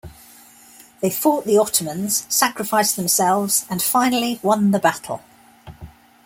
They fought the Ottomans, sacrificed themselves and, finally, won the battle.